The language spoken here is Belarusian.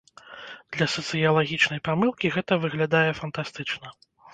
Для сацыялагічнай памылкі гэта выглядае фантастычна.